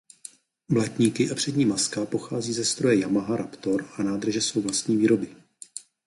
Blatníky a přední maska pochází ze stroje Yamaha Raptor a nádrže jsou vlastní výroby.